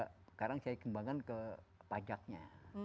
sekarang saya kembangkan ke pajaknya